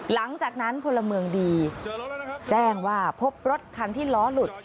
หลังจากนั้นพลเมืองดีแจ้งว่าพบรถคันที่ล้อหลุด